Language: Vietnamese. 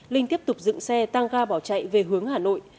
linh tiếp tục dựng xe tăng ga bỏ chạy về hướng hà nội